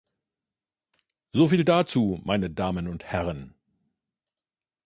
So viel dazu, meine Damen und Herren.